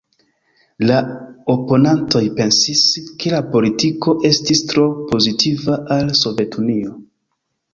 La oponantoj pensis, ke la politiko estis tro pozitiva al Sovetunio.